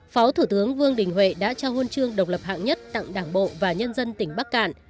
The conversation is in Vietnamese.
phó thủ tướng vương đình huệ đã trao huân chương độc lập hạng nhất tặng đảng bộ và nhân dân tỉnh bắc cạn